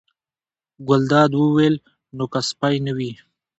ګلداد وویل: نو که سپی نه وي.